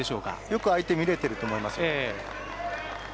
よく相手を見れていると思います。